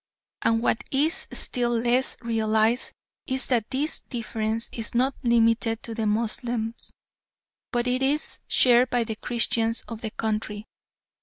And what is still less realised is that this difference is not limited to the Moslems, but is shared by the Christians of the country.